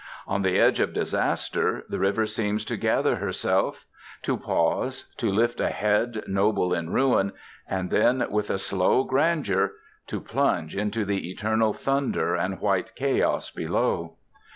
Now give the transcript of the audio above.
On the edge of disaster the river seems to gather herself, to pause, to lift a head noble in ruin, and then, with a slow grandeur, to plunge into the eternal thunder and white chaos below.